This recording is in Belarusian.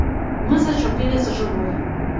Мы зачапілі за жывое.